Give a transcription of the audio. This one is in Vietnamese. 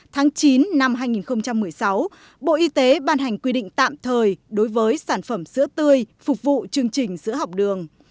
tháng chín năm hai nghìn một mươi sáu bộ y tế ban hành quy định tạm thời đối với sản phẩm sữa tươi phục vụ chương trình sữa học đường